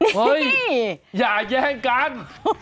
นี่นี่อย่าแย่งกัน